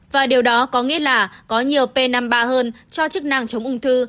và điều đó có nghĩa là có nhiều p năm mươi ba hơn cho chức năng chống ung thư